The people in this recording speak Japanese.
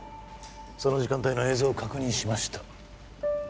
その時間帯の映像を確認しました